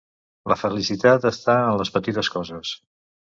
La felicitat està en les petites coses